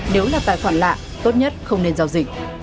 nếu là tài khoản lạ tốt nhất không nên giao dịch